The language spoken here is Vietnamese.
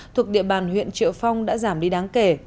thuộc địa bàn huyện triệu phong đã giảm đi đáng kể